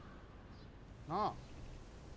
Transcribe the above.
なあ